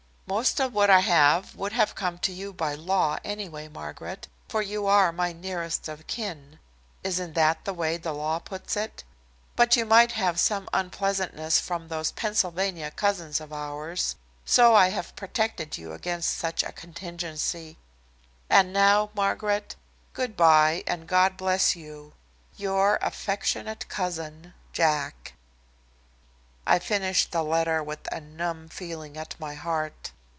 "Most of what I have, would have come to you by law, anyway, Margaret, for you are 'my nearest of kin' isn't that the way the law puts it? But you might have some unpleasantness from those Pennsylvania cousins of ours, so I have protected you against such a contingency. "And now, Margaret, good by and God bless you. "Your affectionate cousin, Jack." I finished the letter with a numb feeling at my heart.